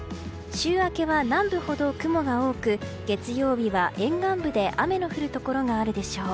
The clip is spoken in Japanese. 週明けは南部ほど雲が多く月曜日は沿岸部で雨の降るところがあるでしょう。